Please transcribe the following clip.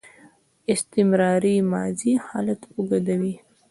استمراري ماضي حالت اوږدوي.